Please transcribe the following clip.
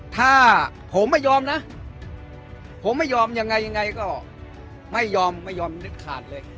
ถ้าผมไม่ยอมนะผมไม่ยอมยังไงยังไงก็ไม่ยอมไม่ยอมนึกขาดเลย